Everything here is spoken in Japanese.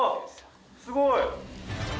すごい！